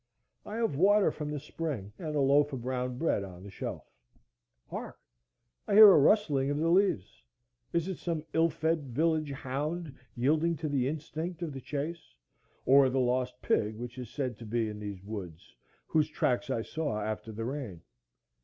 I have water from the spring, and a loaf of brown bread on the shelf.—Hark! I hear a rustling of the leaves. Is it some ill fed village hound yielding to the instinct of the chase? or the lost pig which is said to be in these woods, whose tracks I saw after the rain?